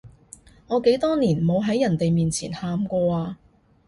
我幾多年冇喺人哋面前喊過啊